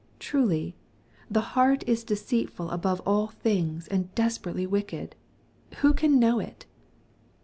— Truly " the heart is deceitfUl above all things, and desperately wicked : who can know it